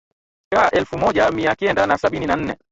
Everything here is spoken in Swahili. ka elfu moja miakenda na sabini na nne